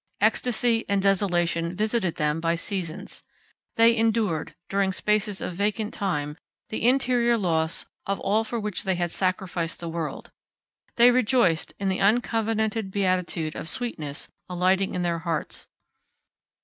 Ecstasy and desolation visited them by seasons. They endured, during spaces of vacant time, the interior loss of all for which they had sacrificed the world. They rejoiced in the uncovenanted beatitude of sweetness alighting in their hearts.